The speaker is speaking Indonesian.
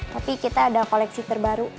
tapi kita ada koleksi terbaru